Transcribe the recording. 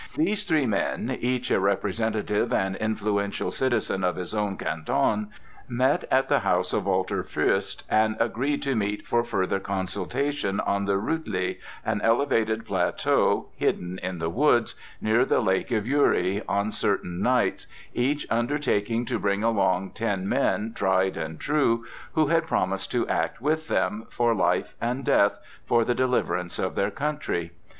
These three men, each a representative and influential citizen of his own Canton, met at the house of Walter Fuerst and agreed to meet for further consultation on the Ruetli, an elevated plateau, hidden in the woods, near the lake of Uri, on certain nights, each undertaking to bring along ten men tried and true, who had promised to act with them, for life and death, for the deliverance of their country.